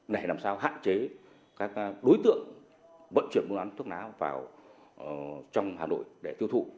để làm sao hạn chế các đối tượng vận chuyển buôn bán thuốc lá vào trong hà nội để tiêu thụ